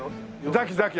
ザキザキ。